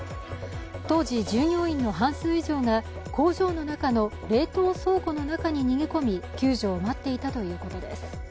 当時、従業員の半数以上が工場の中の冷凍倉庫の中に逃げ込み救助を待っていたということです。